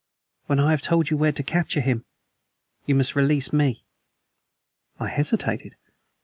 "When I have told you where to capture him you must release me." I hesitated.